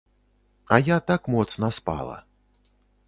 А я так моцна спала.